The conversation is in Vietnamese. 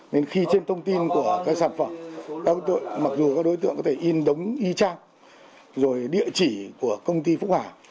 nên khi trên thông tin của cái sản phẩm mặc dù các đối tượng có thể in đống y chang rồi địa chỉ của công ty phúc hà